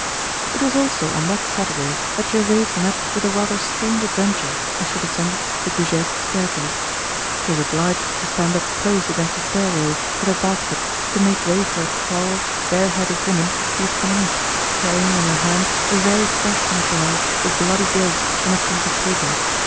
It was also on that Saturday that Gervaise met with a rather strange adventure as she descended the Goujets' staircase. She was obliged to stand up close against the stair rail with her basket to make way for a tall bare headed woman who was coming up, carrying in her hand a very fresh mackerel, with bloody gills, in a piece of paper.